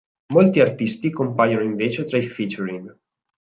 Molti artisti compaiono invece tra i featuring.